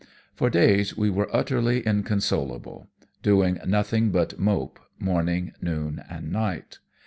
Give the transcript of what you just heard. For days we were utterly inconsolable, doing nothing but mope morning, noon, and night.